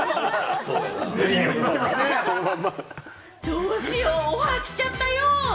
どうしよう、オファー来ちゃったよ！